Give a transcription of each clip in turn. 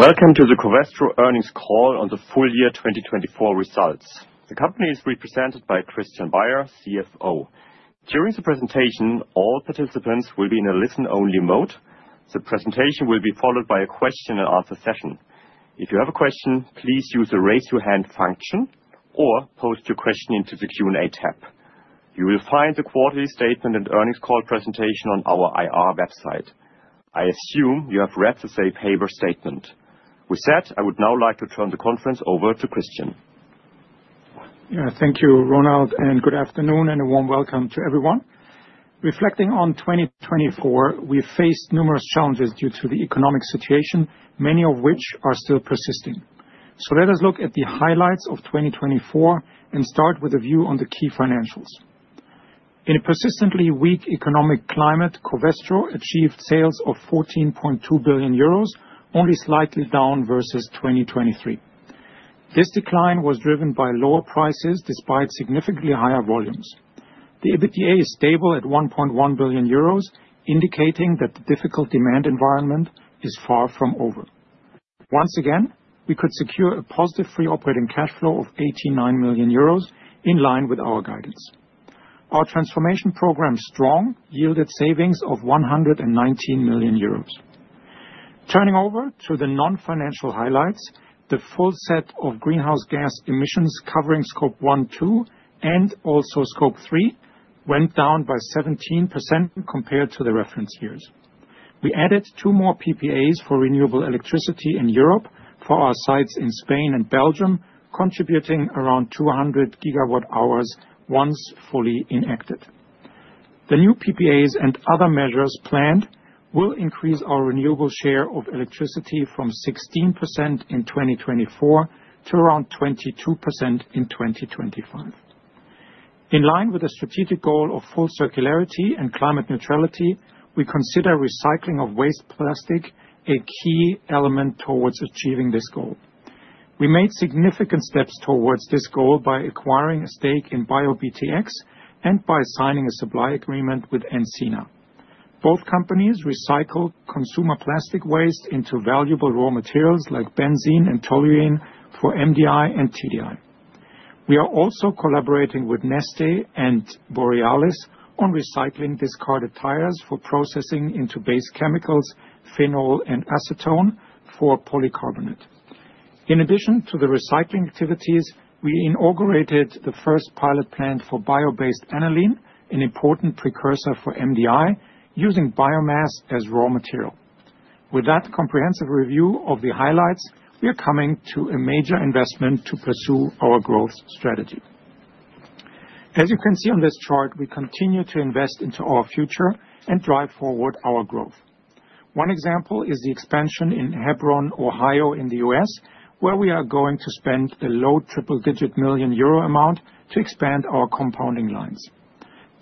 Welcome to the Covestro Earnings Call on the Full Year 2024 Results. The company is represented by Christian Baier, CFO. During the presentation, all participants will be in a listen-only mode. The presentation will be followed by a question-and-answer session. If you have a question, please use the raise-your-hand function or post your question into the Q&A tab. You will find the quarterly statement and earnings call presentation on our IR website. I assume you have read the Safe Harbor Statement. With that, I would now like to turn the conference over to Christian. Yeah, thank you, Ronald, and good afternoon and a warm welcome to everyone. Reflecting on 2024, we faced numerous challenges due to the economic situation, many of which are still persisting. So let us look at the highlights of 2024 and start with a view on the key financials. In a persistently weak economic climate, Covestro achieved sales of 14.2 billion euros, only slightly down versus 2023. This decline was driven by lower prices despite significantly higher volumes. The EBITDA is stable at 1.1 billion euros, indicating that the difficult demand environment is far from over. Once again, we could secure a positive free operating cash flow of 89 million euros in line with our guidance. Our transformation program, Strong, yielded savings of 119 million euros. Turning over to the non-financial highlights, the full set of greenhouse gas emissions covering Scope 1, 2, and also Scope 3 went down by 17% compared to the reference years. We added two more PPAs for renewable electricity in Europe for our sites in Spain and Belgium, contributing around 200 gigawatt-hours once fully enacted. The new PPAs and other measures planned will increase our renewable share of electricity from 16% in 2024 to around 22% in 2025. In line with the strategic goal of full circularity and climate neutrality, we consider recycling of waste plastic a key element towards achieving this goal. We made significant steps towards this goal by acquiring a stake in BioBTX and by signing a supply agreement with Encina. Both companies recycle consumer plastic waste into valuable raw materials like benzene and toluene for MDI and TDI. We are also collaborating with Neste and Borealis on recycling discarded tires for processing into base chemicals, phenol, and acetone for polycarbonate. In addition to the recycling activities, we inaugurated the first pilot plant for bio-based aniline, an important precursor for MDI, using biomass as raw material. With that comprehensive review of the highlights, we are coming to a major investment to pursue our growth strategy. As you can see on this chart, we continue to invest into our future and drive forward our growth. One example is the expansion in Hebron, Ohio, in the U.S., where we are going to spend a low triple-digit million EUR amount to expand our compounding lines.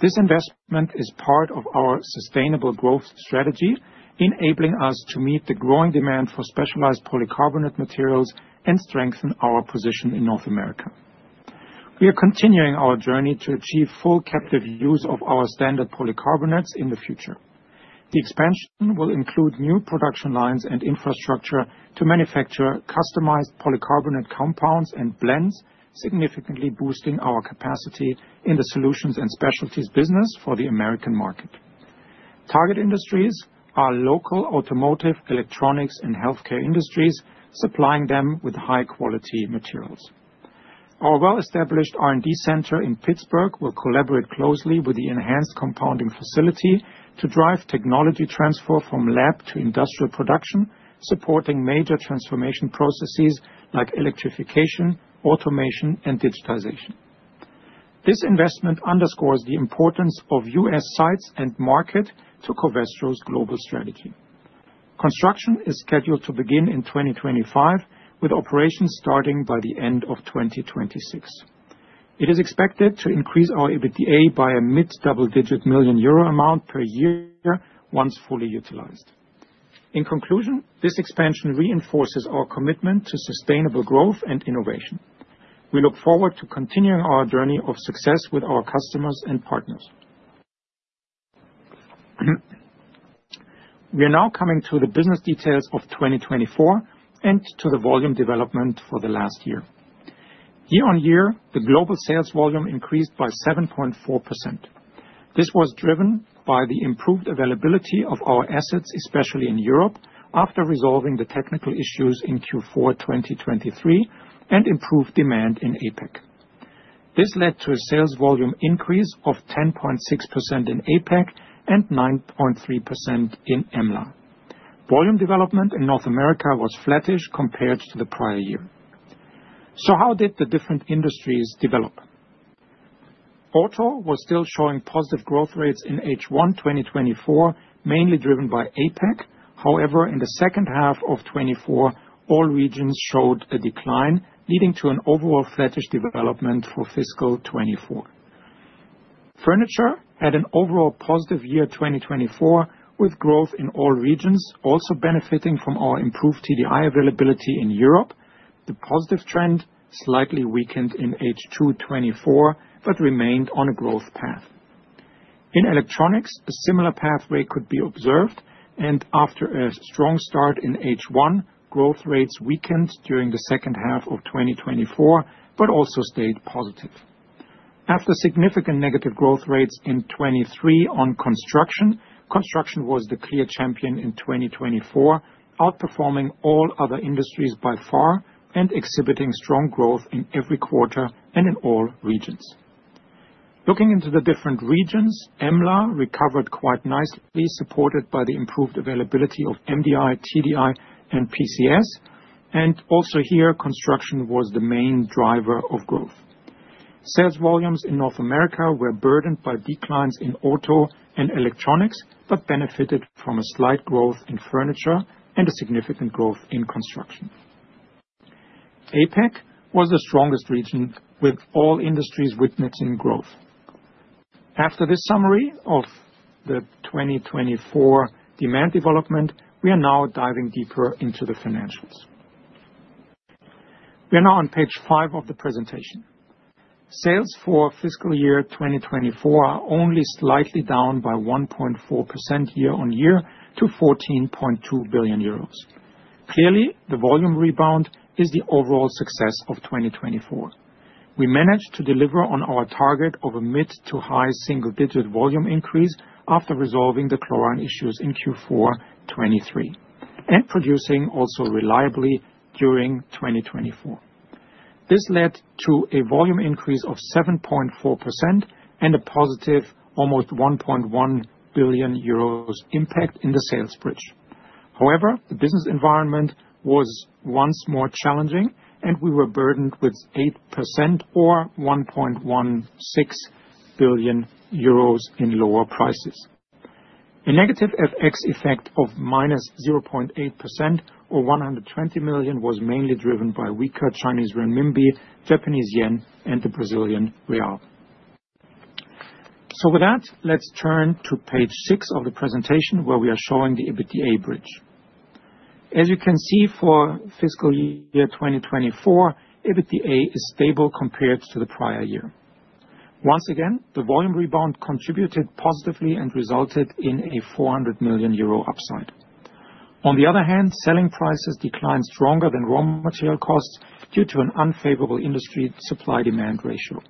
This investment is part of our sustainable growth strategy, enabling us to meet the growing demand for specialized polycarbonate materials and strengthen our position in North America. We are continuing our journey to achieve full captive use of our standard polycarbonates in the future. The expansion will include new production lines and infrastructure to manufacture customized polycarbonate compounds and blends, significantly boosting our capacity in the Solutions and Specialties business for the American market. Target industries are local, automotive, electronics, and healthcare industries, supplying them with high-quality materials. Our well-established R&D center in Pittsburgh will collaborate closely with the enhanced compounding facility to drive technology transfer from lab to industrial production, supporting major transformation processes like electrification, automation, and digitization. This investment underscores the importance of U.S. sites and market to Covestro's global strategy. Construction is scheduled to begin in 2025, with operations starting by the end of 2026. It is expected to increase our EBITDA by a mid-double-digit million Euro amount per year once fully utilized. In conclusion, this expansion reinforces our commitment to sustainable growth and innovation. We look forward to continuing our journey of success with our customers and partners. We are now coming to the business details of 2024 and to the volume development for the last year. Year-on-year, the global sales volume increased by 7.4%. This was driven by the improved availability of our assets, especially in Europe, after resolving the technical issues in Q4 2023 and improved demand in APAC. This led to a sales volume increase of 10.6% in APAC and 9.3% in EMLA. Volume development in North America was flattish compared to the prior year. So how did the different industries develop? Auto was still showing positive growth rates in H1 2024, mainly driven by APAC. However, in the second half of 2024, all regions showed a decline, leading to an overall flattish development for fiscal 2024. Furniture had an overall positive year 2024, with growth in all regions also benefiting from our improved TDI availability in Europe. The positive trend slightly weakened in H2 2024, but remained on a growth path. In electronics, a similar pathway could be observed, and after a strong start in H1, growth rates weakened during the second half of 2024, but also stayed positive. After significant negative growth rates in 2023 on construction, construction was the clear champion in 2024, outperforming all other industries by far and exhibiting strong growth in every quarter and in all regions. Looking into the different regions, EMLA recovered quite nicely, supported by the improved availability of MDI, TDI, and PCS, and also here, construction was the main driver of growth. Sales volumes in North America were burdened by declines in auto and electronics, but benefited from a slight growth in furniture and a significant growth in construction. APAC was the strongest region, with all industries witnessing growth. After this summary of the 2024 demand development, we are now diving deeper into the financials. We are now on Page five of the presentation. Sales for fiscal year 2024 are only slightly down by 1.4% year-on-year to 14.2 billion euros. Clearly, the volume rebound is the overall success of 2024. We managed to deliver on our target of a mid to high single-digit volume increase after resolving the chlorine issues in Q4 2023 and producing also reliably during 2024. This led to a volume increase of 7.4% and a positive almost 1.1 billion euros impact in the sales bridge. However, the business environment was once more challenging, and we were burdened with 8% or 1.16 billion euros in lower prices. A negative FX effect of minus 0.8% or 120 million was mainly driven by weaker Chinese renminbi, Japanese yen, and the Brazilian real. So with that, let's turn to Page six of the presentation, where we are showing the EBITDA bridge. As you can see, for fiscal year 2024, EBITDA is stable compared to the prior year. Once again, the volume rebound contributed positively and resulted in a 400 million euro upside. On the other hand, selling prices declined stronger than raw material costs due to an unfavorable industry supply-demand ratio.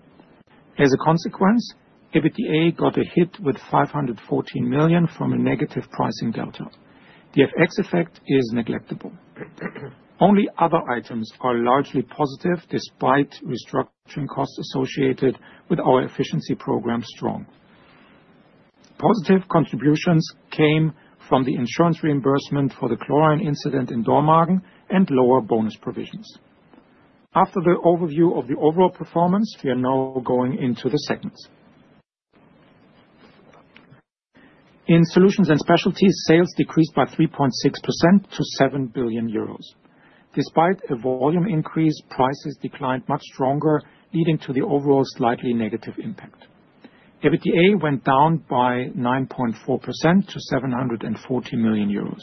As a consequence, EBITDA got a hit with 514 million from a negative pricing delta. The FX effect is negligible. Only other items are largely positive despite restructuring costs associated with our efficiency program Strong. Positive contributions came from the insurance reimbursement for the chlorine incident in Dormagen and lower bonus provisions. After the overview of the overall performance, we are now going into the segments. In Solutions and Specialties, sales decreased by 3.6% to 7 billion euros. Despite a volume increase, prices declined much stronger, leading to the overall slightly negative impact. EBITDA went down by 9.4% to 740 million euros.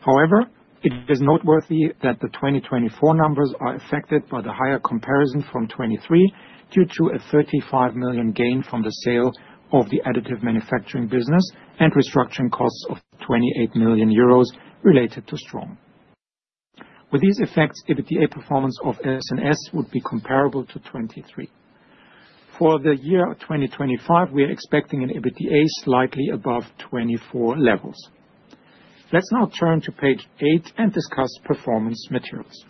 However, it is noteworthy that the 2024 numbers are affected by the higher comparison from 2023 due to a 35 million gain from the sale of the additive manufacturing business and restructuring costs of 28 million euros related to Strong. With these effects, EBITDA performance of S&S would be comparable to 2023. For the year 2025, we are expecting an EBITDA slightly above 2024 levels. Let's now turn to Page eight and discuss Performance Materials.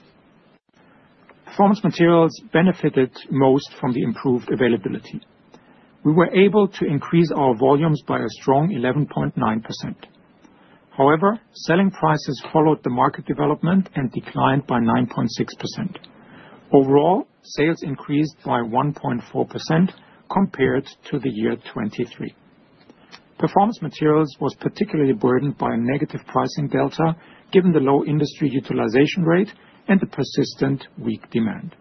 Performance Materials benefited most from the improved availability. We were able to increase our volumes by a strong 11.9%. However, selling prices followed the market development and declined by 9.6%. Overall, sales increased by 1.4% compared to the year 2023. Performance Materials was particularly burdened by a negative pricing delta given the low industry utilization rate and the persistent weak demand,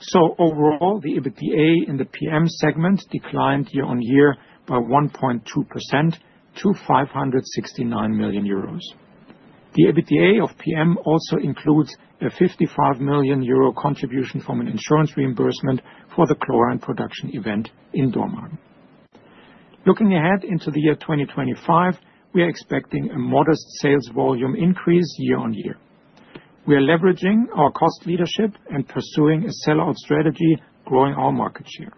so overall, the EBITDA in the PM segment declined year-on-year by 1.2% to 569 million euros. The EBITDA of PM also includes a 55 million euro contribution from an insurance reimbursement for the chlorine production event in Dormagen. Looking ahead into the year 2025, we are expecting a modest sales volume increase year-on-year. We are leveraging our cost leadership and pursuing a sell-out strategy, growing our market share.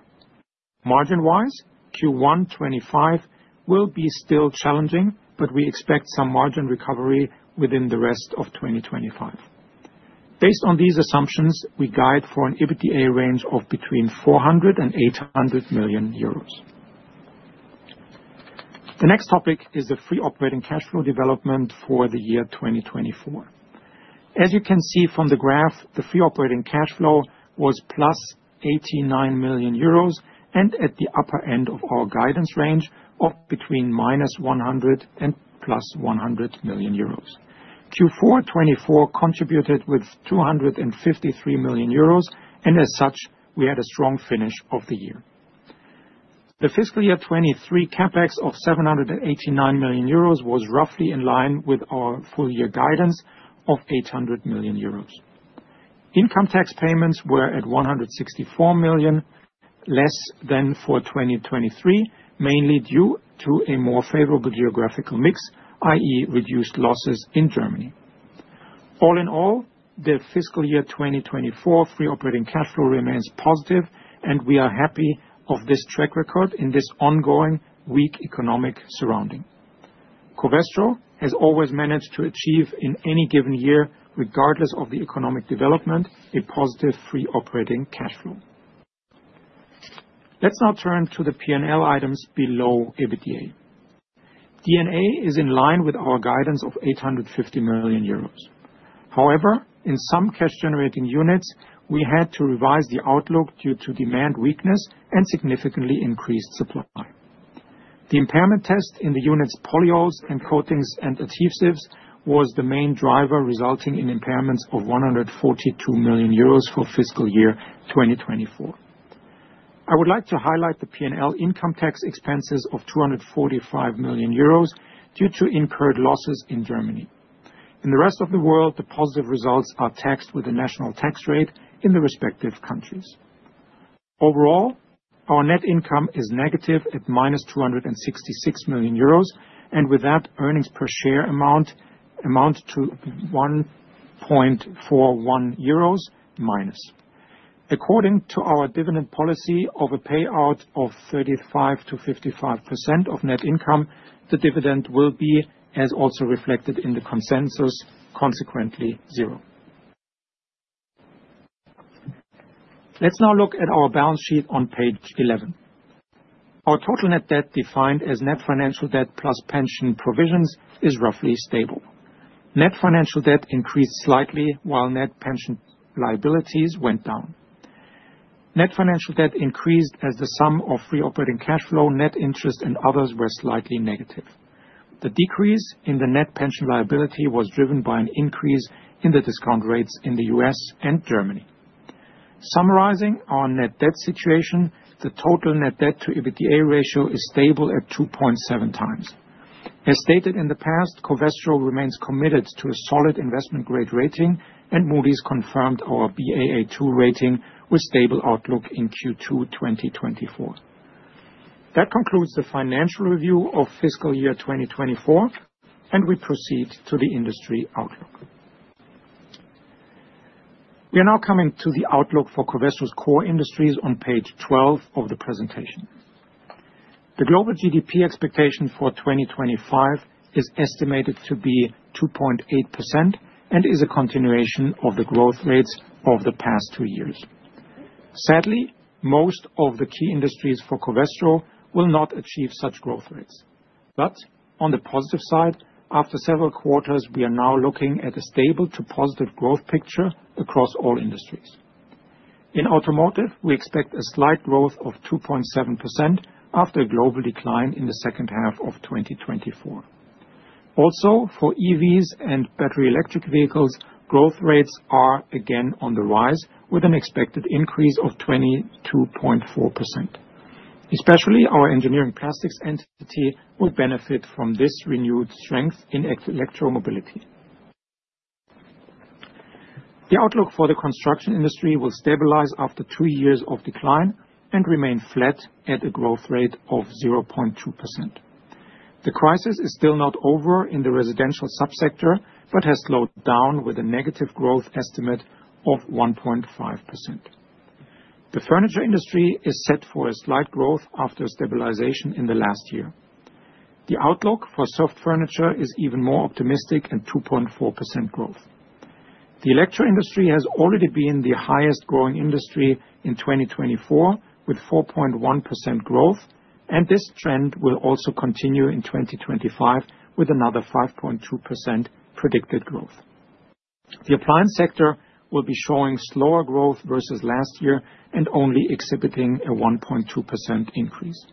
Margin-wise, Q1 2025 will be still challenging, but we expect some margin recovery within the rest of 2025. Based on these assumptions, we guide for an EBITDA range of between 400 million euros and 800 million euros. The next topic is the free operating cash flow development for the year 2024. As you can see from the graph, the free operating cash flow was plus 89 million euros and at the upper end of our guidance range of between -100 and +100 million euros. Q4 2024 contributed with 253 million euros and as such, we had a strong finish of the year. The fiscal year 2023 CapEx of 789 million euros was roughly in line with our full year guidance of 800 million euros. Income tax payments were at 164 million less than for 2023, mainly due to a more favorable geographical mix, i.e., reduced losses in Germany. All in all, the fiscal year 2024 free operating cash flow remains positive, and we are happy of this track record in this ongoing weak economic surroundings. Covestro has always managed to achieve in any given year, regardless of the economic development, a positive free operating cash flow. Let's now turn to the P&L items below EBITDA. D&A is in line with our guidance of 850 million euros. However, in some cash-generating units, we had to revise the outlook due to demand weakness and significantly increased supply. The impairment test in the units Polyols and Coatings and Adhesives was the main driver, resulting in impairments of 142 million euros for fiscal year 2024. I would like to highlight the P&L income tax expenses of 245 million euros due to incurred losses in Germany. In the rest of the world, the positive results are taxed with a national tax rate in the respective countries. Overall, our net income is negative at minus 266 million euros and with that earnings per share amount to 1.41 euros minus. According to our dividend policy, of a payout of 35%-55% of net income, the dividend will be, as also reflected in the consensus, consequently zero. Let's now look at our balance sheet on Page 11. Our total net debt defined as net financial debt plus pension provisions is roughly stable. Net financial debt increased slightly while net pension liabilities went down. Net financial debt increased as the sum of free operating cash flow, net interest, and others were slightly negative. The decrease in the net pension liability was driven by an increase in the discount rates in the U.S. and Germany. Summarizing our net debt situation, the total net debt to EBITDA ratio is stable at 2.7x. As stated in the past, Covestro remains committed to a solid investment grade rating, and Moody's confirmed our Baa2 rating with stable outlook in Q2 2024. That concludes the financial review of fiscal year 2024, and we proceed to the industry outlook. We are now coming to the outlook for Covestro's core industries on Page 12 of the presentation. The global GDP expectation for 2025 is estimated to be 2.8% and is a continuation of the growth rates of the past two years. Sadly, most of the key industries for Covestro will not achieve such growth rates. But on the positive side, after several quarters, we are now looking at a stable to positive growth picture across all industries. In automotive, we expect a slight growth of 2.7% after a global decline in the second half of 2024. Also, for EVs and battery electric vehicles, growth rates are again on the rise with an expected increase of 22.4%. Especially, our Engineering Plastics entity will benefit from this renewed strength in electromobility. The outlook for the construction industry will stabilize after two years of decline and remain flat at a growth rate of 0.2%. The crisis is still not over in the residential subsector, but has slowed down with a negative growth estimate of 1.5%. The furniture industry is set for a slight growth after stabilization in the last year. The outlook for soft furniture is even more optimistic at 2.4% growth. The electric industry has already been the highest growing industry in 2024 with 4.1% growth, and this trend will also continue in 2025 with another 5.2% predicted growth. The appliance sector will be showing slower growth versus last year and only exhibiting a 1.2% increase.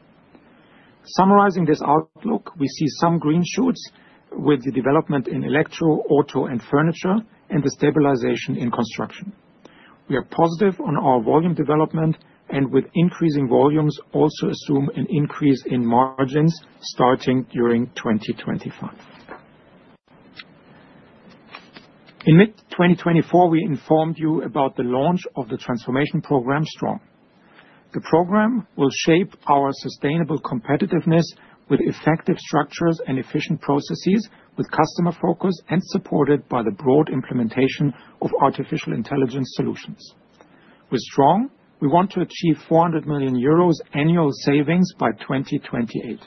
Summarizing this outlook, we see some green shoots with the development in electro, auto, and furniture and the stabilization in construction. We are positive on our volume development and with increasing volumes also assume an increase in margins starting during 2025. In mid-2024, we informed you about the launch of the transformation program Strong. The program will shape our sustainable competitiveness with effective structures and efficient processes, with customer focus and supported by the broad implementation of artificial intelligence solutions. With Strong, we want to achieve 400 million euros annual savings by 2028.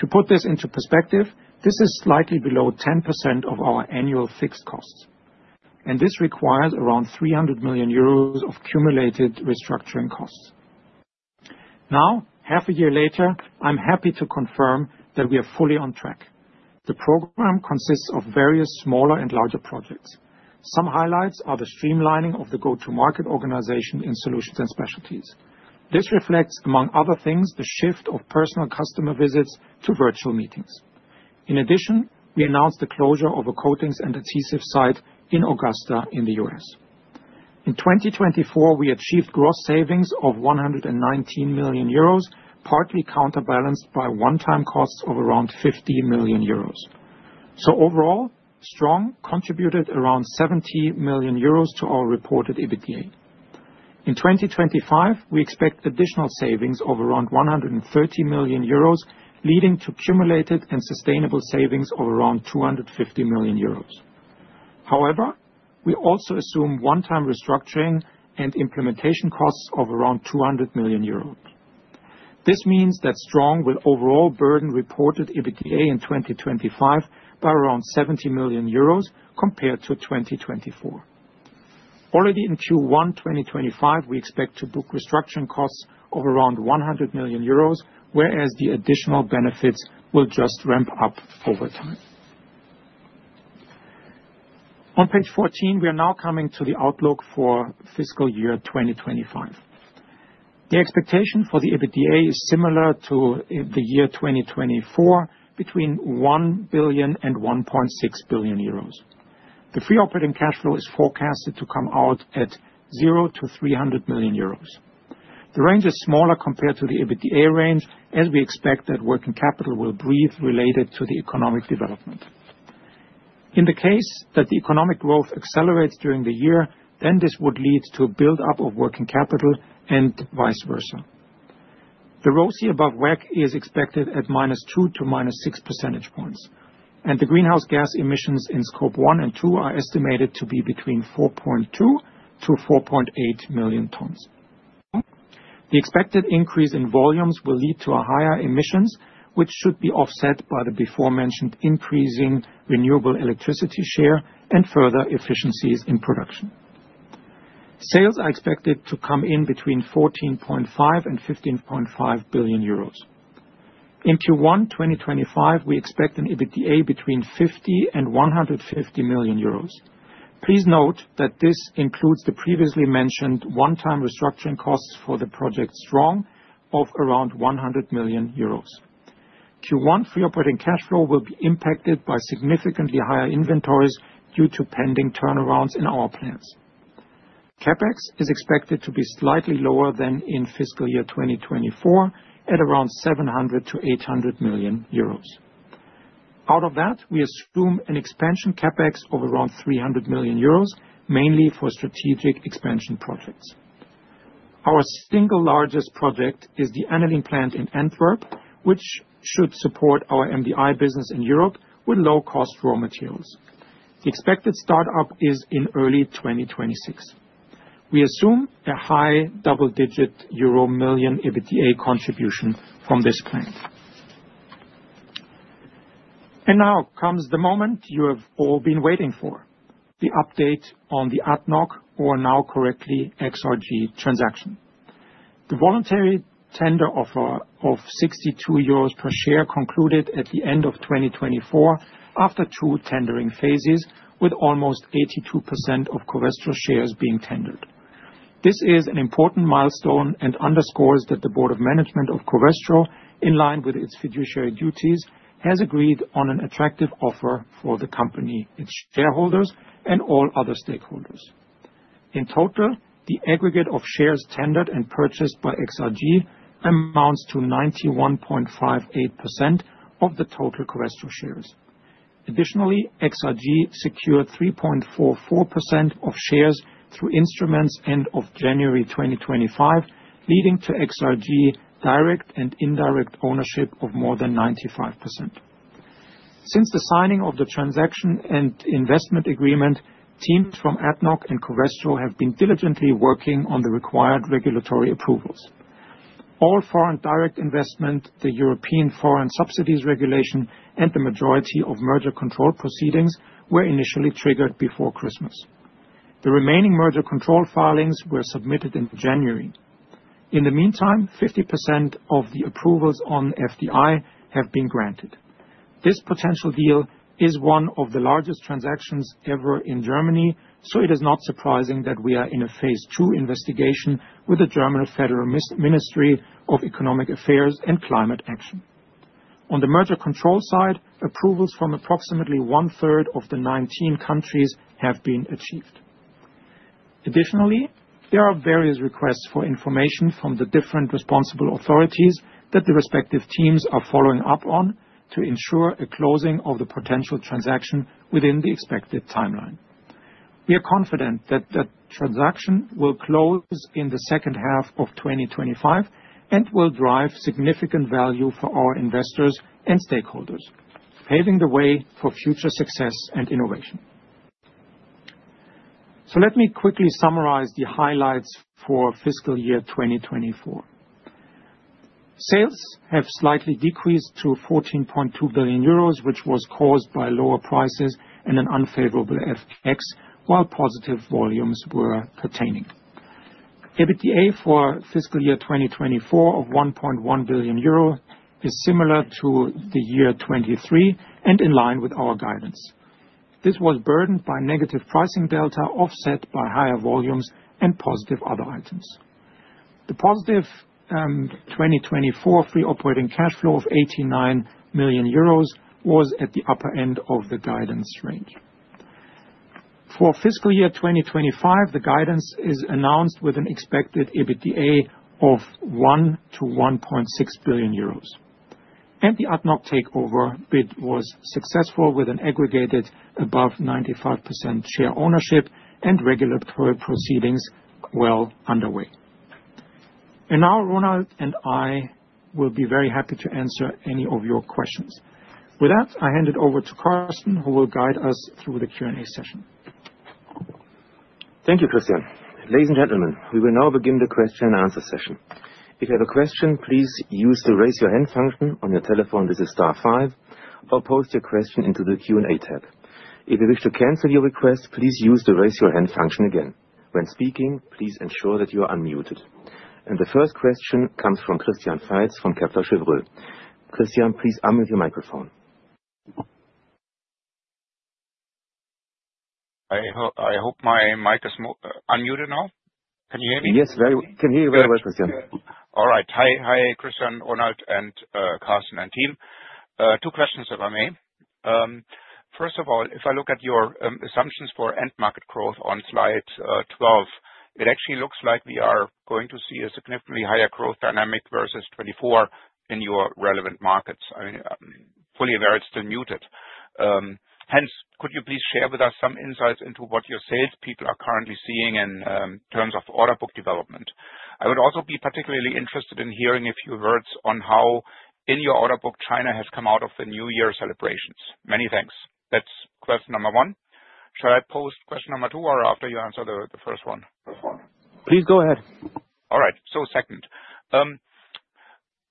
To put this into perspective, this is slightly below 10% of our annual fixed costs, and this requires around 300 million euros of cumulated restructuring costs. Now, half a year later, I'm happy to confirm that we are fully on track. The program consists of various smaller and larger projects. Some highlights are the streamlining of the go-to-market organization in Solutions and Specialties. This reflects, among other things, the shift of personal customer visits to virtual meetings. In addition, we announced the closure of a Coatings and Adhesives site in Augusta in the U.S. In 2024, we achieved gross savings of 119 million euros, partly counterbalanced by one-time costs of around 50 million euros. So overall, Strong contributed around 70 million euros to our reported EBITDA. In 2025, we expect additional savings of around 130 million euros, leading to cumulated and sustainable savings of around 250 million euros. However, we also assume one-time restructuring and implementation costs of around 200 million euros. This means that Strong will overall burden reported EBITDA in 2025 by around 70 million euros compared to 2024. Already in Q1 2025, we expect to book restructuring costs of around 100 million euros, whereas the additional benefits will just ramp up over time. On Page 14, we are now coming to the outlook for fiscal year 2025. The expectation for the EBITDA is similar to the year 2024, between 1 billion and 1.6 billion euros. The free operating cash flow is forecasted to come out at zero to 300 million euros. The range is smaller compared to the EBITDA range, as we expect that working capital will breathe related to the economic development. In the case that the economic growth accelerates during the year, then this would lead to a build-up of working capital and vice versa. The ROCE above WACC is expected at -2 to -6 percentage points, and the greenhouse gas emissions in Scope One and Two are estimated to be between 4.2 to 4.8 million tons. The expected increase in volumes will lead to higher emissions, which should be offset by the before-mentioned increasing renewable electricity share and further efficiencies in production. Sales are expected to come in between 14.5 billion and 15.5 billion euros. In Q1 2025, we expect an EBITDA between 50 million and 150 million euros. Please note that this includes the previously mentioned one-time restructuring costs for the project Strong of around 100 million euros. Q1 free operating cash flow will be impacted by significantly higher inventories due to pending turnarounds in our plants. CapEx is expected to be slightly lower than in fiscal year 2024 at around 700 million-800 million euros. Out of that, we assume an expansion CapEx of around 300 million euros, mainly for strategic expansion projects. Our single largest project is the aniline plant in Antwerp, which should support our MDI business in Europe with low-cost raw materials. The expected start-up is in early 2026. We assume a high double-digit EUR million EBITDA contribution from this plan. And now comes the moment you have all been waiting for: the update on the ADNOC, or now correctly XRG transaction. The voluntary tender offer of 62 euros per share concluded at the end of 2024 after two tendering phases, with almost 82% of Covestro shares being tendered. This is an important milestone and underscores that the board of management of Covestro, in line with its fiduciary duties, has agreed on an attractive offer for the company, its shareholders, and all other stakeholders. In total, the aggregate of shares tendered and purchased by XRG amounts to 91.58% of the total Covestro shares. Additionally, XRG secured 3.44% of shares through instruments end of January 2025, leading to XRG direct and indirect ownership of more than 95%. Since the signing of the transaction and investment agreement, teams from ADNOC and Covestro have been diligently working on the required regulatory approvals. All foreign direct investment, the European Foreign Subsidies Regulation, and the majority of merger control proceedings were initially triggered before Christmas. The remaining merger control filings were submitted in January. In the meantime, 50% of the approvals on FDI have been granted. This potential deal is one of the largest transactions ever in Germany, so it is not surprising that we are in a phase II investigation with the German Federal Ministry of Economic Affairs and Climate Action. On the merger control side, approvals from approximately 1/3 of the 19 countries have been achieved. Additionally, there are various requests for information from the different responsible authorities that the respective teams are following up on to ensure a closing of the potential transaction within the expected timeline. We are confident that that transaction will close in the second half of 2025 and will drive significant value for our investors and stakeholders, paving the way for future success and innovation. So let me quickly summarize the highlights for fiscal year 2024. Sales have slightly decreased to 14.2 billion euros, which was caused by lower prices and an unfavorable FX, while positive volumes were prevailing. EBITDA for fiscal year 2024 of 1.1 billion euro is similar to the year 2023 and in line with our guidance. This was burdened by negative pricing delta offset by higher volumes and positive other items. The positive 2024 free operating cash flow of 89 million euros was at the upper end of the guidance range. For fiscal year 2025, the guidance is announced with an expected EBITDA of 1 billion-1.6 billion euros. The ADNOC takeover bid was successful with acceptance above 95% share ownership and regulatory proceedings well underway. Now, Ronald and I will be very happy to answer any of your questions. With that, I hand it over to Carsten, who will guide us through the Q&A session. Thank you, Christian. Ladies and gentlemen, we will now begin the question-and-answer session. If you have a question, please use the raise your hand function on your telephone. This is Star five, or post your question into the Q&A tab. If you wish to cancel your request, please use the raise your hand function again. When speaking, please ensure that you are unmuted. The first question comes from Christian Faitz from Kepler Cheuvreux. Christian, please unmute your microphone. I hope my mic is unmuted now. Can you hear me? Yes, very well. Can you hear me very well, Christian? All right. Hi, Christian, Ronald, and Carsten and team. Two questions, if I may. First of all, if I look at your assumptions for end market growth on Slide 12, it actually looks like we are going to see a significantly higher growth dynamic versus 2024 in your relevant markets. I mean, fully aware, it's still muted. Hence, could you please share with us some insights into what your salespeople are currently seeing in terms of order book development? I would also be particularly interested in hearing a few words on how, in your order book, China has come out of the New Year celebrations. Many thanks. That's question number one. Shall I post question number two or after you answer the first one? Please go ahead. All right. So second,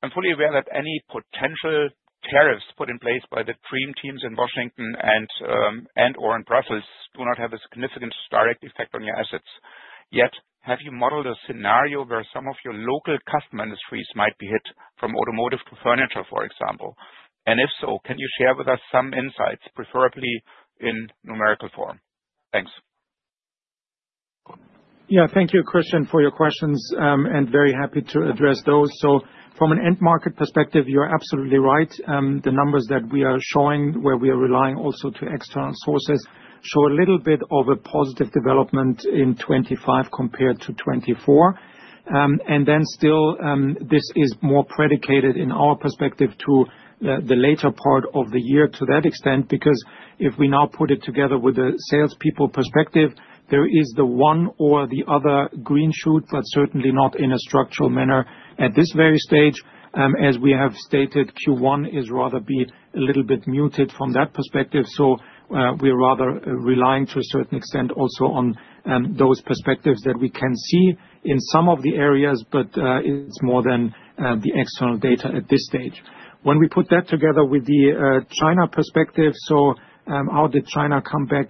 I'm fully aware that any potential tariffs put in place by the administrations in Washington and/or in Brussels do not have a significant direct effect on your assets. Yet, have you modeled a scenario where some of your local customer industries might be hit from automotive to furniture, for example? And if so, can you share with us some insights, preferably in numerical form? Thanks. Yeah, thank you, Christian, for your questions, and very happy to address those. So from an end market perspective, you're absolutely right. The numbers that we are showing, where we are relying also to external sources, show a little bit of a positive development in 2025 compared to 2024. And then still, this is more predicated in our perspective to the later part of the year to that extent, because if we now put it together with the salespeople's perspective, there is the one or the other green shoot, but certainly not in a structural manner at this very stage. As we have stated, Q1 is rather be a little bit muted from that perspective. So we're rather relying to a certain extent also on those perspectives that we can see in some of the areas, but it's more than the external data at this stage. When we put that together with the China perspective, so how did China come back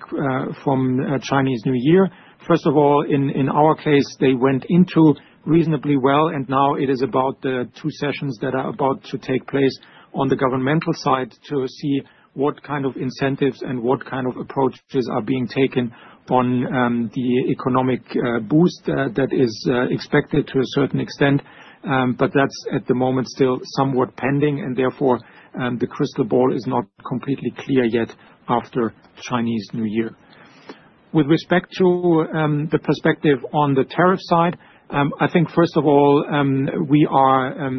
from Chinese New Year? First of all, in our case, they went into reasonably well, and now it is about the Two Sessions that are about to take place on the governmental side to see what kind of incentives and what kind of approaches are being taken on the economic boost that is expected to a certain extent. But that's at the moment still somewhat pending, and therefore the crystal ball is not completely clear yet after Chinese New Year. With respect to the perspective on the tariff side, I think, first of all, we are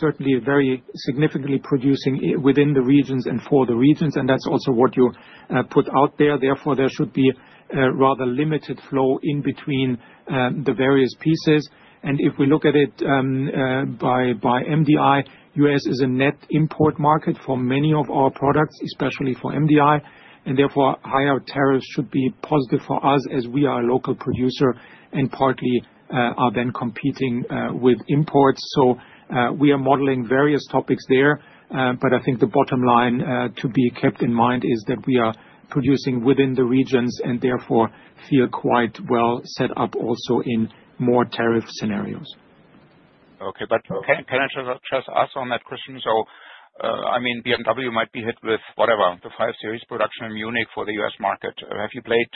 certainly very significantly producing within the regions and for the regions, and that's also what you put out there. Therefore, there should be a rather limited flow in between the various pieces. If we look at it by MDI, the U.S. is a net import market for many of our products, especially for MDI, and therefore higher tariffs should be positive for us as we are a local producer and partly are then competing with imports. We are modeling various topics there, but I think the bottom line to be kept in mind is that we are producing within the regions and therefore feel quite well set up also in more tariff scenarios. Okay, but can I just ask on that question? I mean, BMW might be hit with whatever, the 5 Series production in Munich for the U.S. market. Have you played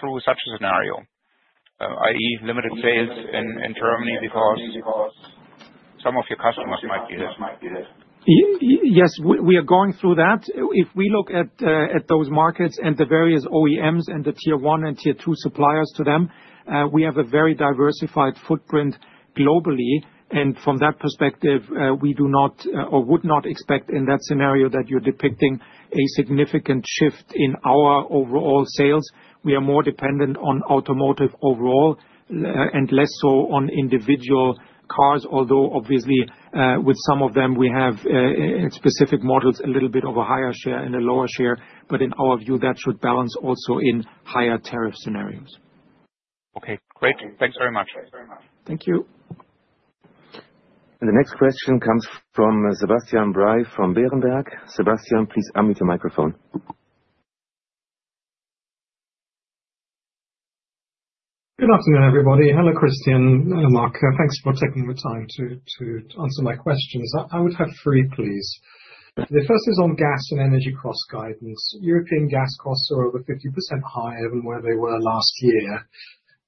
through such a scenario, i.e., limited sales in Germany because some of your customers might be hit? Yes, we are going through that. If we look at those markets and the various OEMs and the Tier 1 and Tier 2 suppliers to them, we have a very diversified footprint globally. And from that perspective, we do not or would not expect in that scenario that you're depicting a significant shift in our overall sales. We are more dependent on automotive overall and less so on individual cars, although obviously with some of them we have specific models a little bit of a higher share and a lower share, but in our view, that should balance also in higher tariff scenarios. Okay, great. Thanks very much. Thank you. And the next question comes from Sebastian Bray from Berenberg. Sebastian, please unmute your microphone. Good afternoon, everybody. Hello, Christian, and Markus. Thanks for taking the time to answer my questions. I would have three, please. The first is on gas and energy cost guidance. European gas costs are over 50% higher than where they were last year.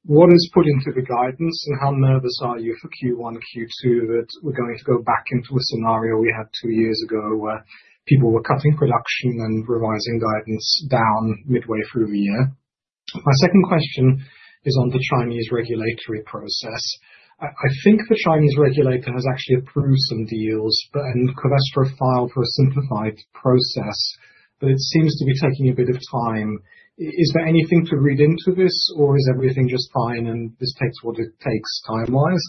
What is put into the guidance, and how nervous are you for Q1, Q2 that we're going to go back into a scenario we had two years ago where people were cutting production and revising guidance down midway through the year? My second question is on the Chinese regulatory process. I think the Chinese regulator has actually approved some deals and Covestro filed for a simplified process, but it seems to be taking a bit of time. Is there anything to read into this, or is everything just fine and this takes what it takes time-wise?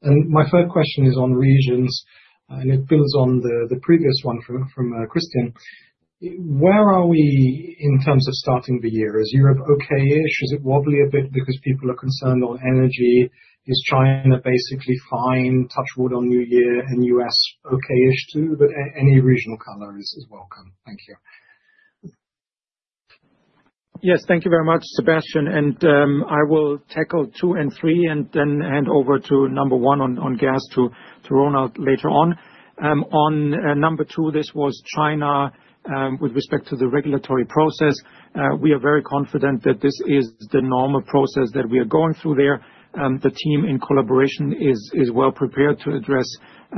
And my third question is on regions, and it builds on the previous one from Christian. Where are we in terms of starting the year? Is Europe okay-ish? Is it wobbly a bit because people are concerned on energy? Is China basically fine? Touch wood on New Year and U.S. okay-ish too, but any regional color is welcome. Thank you. Yes, thank you very much, Sebastian, and I will tackle two and three and then hand over to number one on gas to Ronald later on. On number two, this was China with respect to the regulatory process. We are very confident that this is the normal process that we are going through there. The team in collaboration is well prepared to address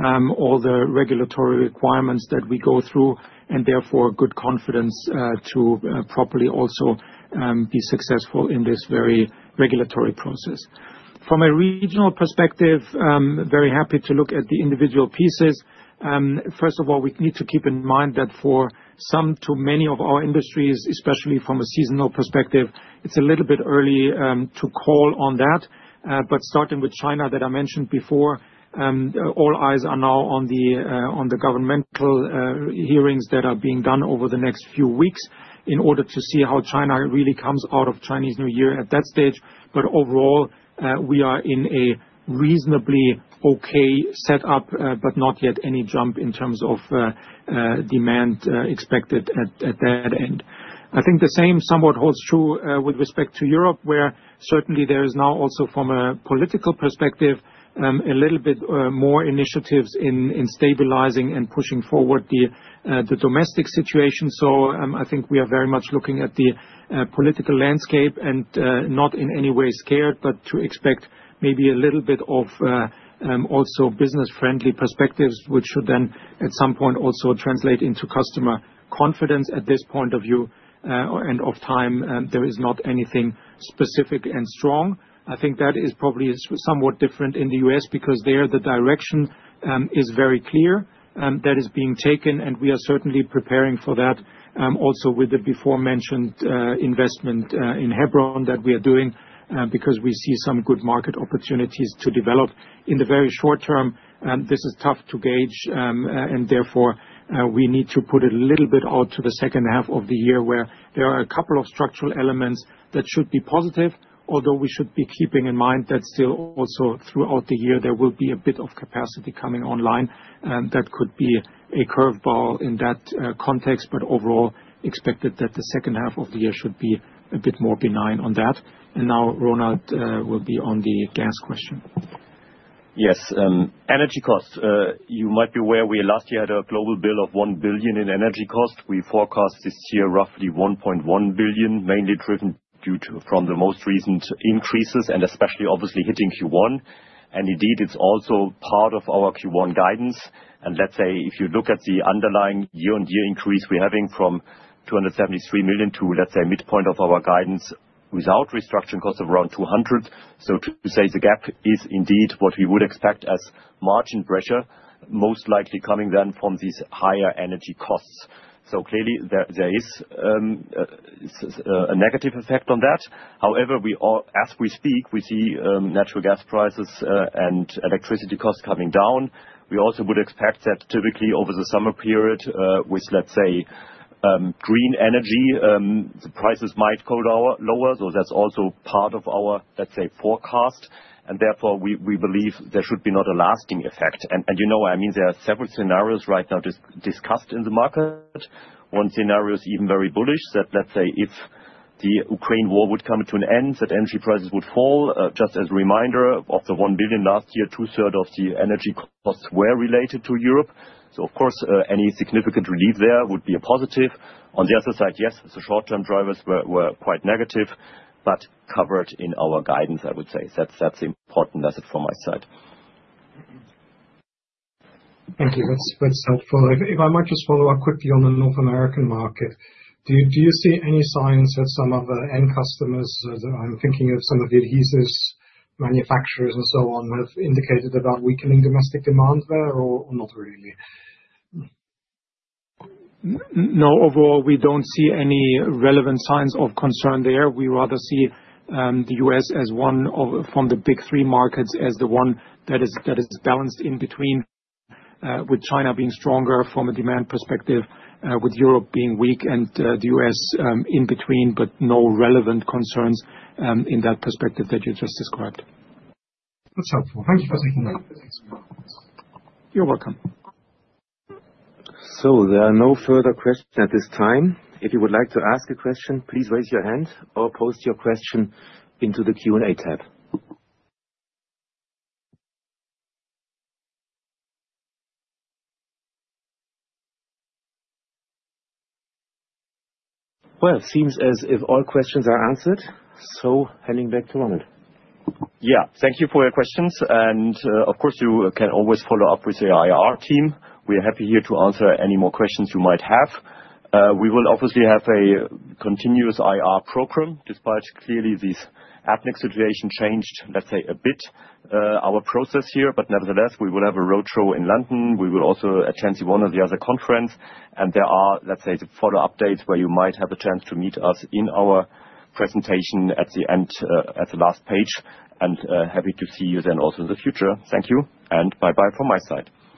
all the regulatory requirements that we go through, and therefore good confidence to properly also be successful in this very regulatory process. From a regional perspective, very happy to look at the individual pieces. First of all, we need to keep in mind that for some too many of our industries, especially from a seasonal perspective, it's a little bit early to call on that. But starting with China that I mentioned before, all eyes are now on the governmental hearings that are being done over the next few weeks in order to see how China really comes out of Chinese New Year at that stage. But overall, we are in a reasonably okay setup, but not yet any jump in terms of demand expected at that end. I think the same somewhat holds true with respect to Europe, where certainly there is now also from a political perspective a little bit more initiatives in stabilizing and pushing forward the domestic situation. So I think we are very much looking at the political landscape and not in any way scared, but to expect maybe a little bit of also business-friendly perspectives, which should then at some point also translate into customer confidence. At this point of view and of time, there is not anything specific and strong. I think that is probably somewhat different in the U.S. because there the direction is very clear that is being taken, and we are certainly preparing for that also with the before-mentioned investment in Hebron that we are doing because we see some good market opportunities to develop. In the very short term, this is tough to gauge, and therefore we need to put it a little bit out to the second half of the year where there are a couple of structural elements that should be positive, although we should be keeping in mind that still also throughout the year there will be a bit of capacity coming online that could be a curveball in that context, but overall expected that the second half of the year should be a bit more benign on that. And now Ronald will be on the gas question. Yes, energy costs. You might be aware we last year had a global bill of 1 billion in energy cost. We forecast this year roughly 1.1 billion, mainly driven from the most recent increases and especially obviously hitting Q1. And indeed, it's also part of our Q1 guidance. And let's say if you look at the underlying year-on-year increase we're having from 273 million to, let's say, midpoint of our guidance without restructuring costs of around 200. So to say the gap is indeed what we would expect as margin pressure, most likely coming then from these higher energy costs. So clearly there is a negative effect on that. However, as we speak, we see natural gas prices and electricity costs coming down. We also would expect that typically over the summer period with, let's say, green energy, the prices might go lower. So that's also part of our, let's say, forecast. And therefore we believe there should be not a lasting effect. And you know what I mean? There are several scenarios right now discussed in the market. One scenario is even very bullish that, let's say, if the Ukraine war would come to an end, that energy prices would fall. Just as a reminder of the 1 billion last year, two-thirds of the energy costs were related to Europe. So of course, any significant relief there would be a positive. On the other side, yes, the short-term drivers were quite negative, but covered in our guidance, I would say. That's the important message from my side. Thank you. That's helpful. If I might just follow up quickly on the North American market, do you see any signs that some of the end customers, I'm thinking of some of the adhesives manufacturers and so on, have indicated about weakening domestic demand there or not really? No, overall, we don't see any relevant signs of concern there. We rather see the U.S. as one of the big three markets as the one that is balanced in between, with China being stronger from a demand perspective, with Europe being weak, and the U.S. in between, but no relevant concerns in that perspective that you just described. That's helpful. Thank you for taking the time. You're welcome. There are no further questions at this time. If you would like to ask a question, please raise your hand or post your question into the Q&A tab. It seems as if all questions are answered. Handing back to Ronald. Yeah, thank you for your questions. And of course, you can always follow up with the IR team. We're happy here to answer any more questions you might have. We will obviously have a continuous IR program, despite clearly this exit situation changed, let's say, a bit our process here. But nevertheless, we will have a roadshow in London. We will also attend one of the other conferences. And there are, let's say, the follow-up dates where you might have a chance to meet us in our presentation at the end, at the last page. And happy to see you then also in the future. Thank you. And bye-bye from my side.